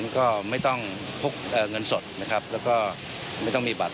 ก็ไม่ต้องพกเงินสดและไม่ต้องมีบัตร